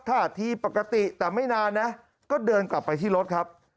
ท่าทีปกติแต่ไม่นานนะก็เดินกลับไปที่รถครับ